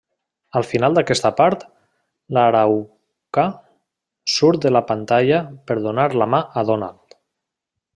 Al final d'aquesta part, l'araucà surt de la pantalla per donar la mà a Donald.